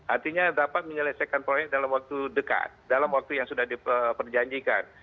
artinya dapat menyelesaikan proyek dalam waktu dekat dalam waktu yang sudah diperjanjikan